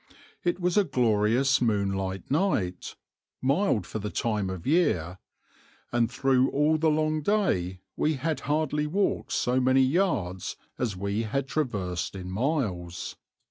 It was a glorious moonlight night, mild for the time of year, and through all the long day we had hardly walked so many yards as we had traversed miles.